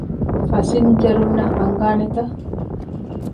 ފަސިންޖަރުންނަށް އަންގާނެތަ؟